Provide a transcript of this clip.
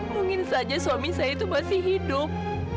mungkin saja suami saya itu masih hidup